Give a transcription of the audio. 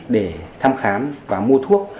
để thăm khám và mua thuốc